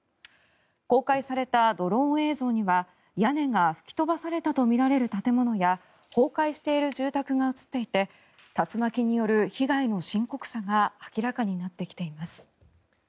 公開されたドローン映像には屋根が吹き飛ばされたとみられる建物や崩壊している住宅が映っていて竜巻による被害の深刻さが明らかになってきています。